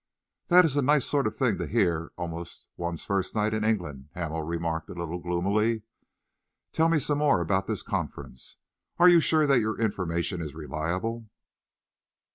"This is a nice sort of thing to hear almost one's first night in England," Hamel remarked a little gloomily. "Tell me some more about this conference. Are you sure that your information is reliable?"